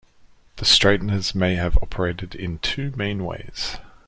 The straighteners may have operated in two main ways.